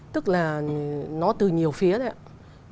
tức là nó từ nhiều phía đấy ạ